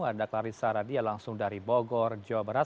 ada clarissa radia langsung dari bogor jawa barat